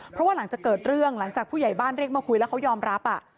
เพราะว่าหลังจากเกิดเรื่องหลังจากผู้ใหญ่บ้านเรียกมาคุยแล้วเขายอมรับ